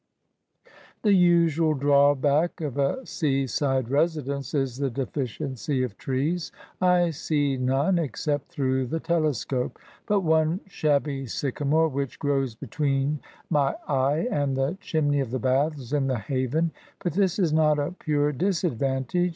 The usual drawback of a sea side residence is the deficiency of trees. I see none (except through the telescope) but one shabby sycamore, which grows between my eye and the chimney of the baths in the haven. But this is not a pure disadvantage.